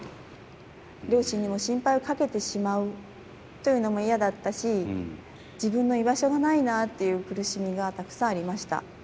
両親にも心配をかけてしまうというのも嫌だったし自分の居場所がないなっていう苦しみがたくさんありました。